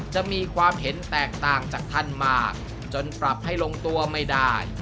จะมีความเห็นแตกต่างจากท่านมากจนปรับให้ลงตัวไม่ได้